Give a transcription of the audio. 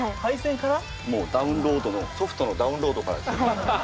もうダウンロードのソフトのダウンロードからっていうか。